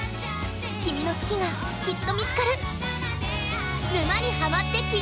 君の好きが、きっと見つかる。